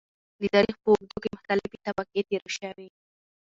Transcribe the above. د تاريخ په اوږدو کې مختلفې طبقې تېرې شوي .